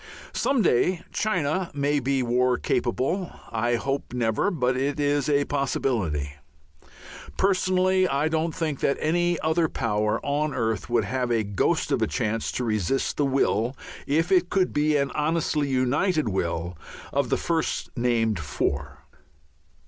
Some day China may be war capable I hope never, but it is a possibility. Personally I don't think that any other power on earth would have a ghost of a chance to resist the will if it could be an honestly united will of the first named four.